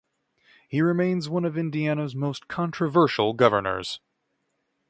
He remains one of Indiana's most controversial governors.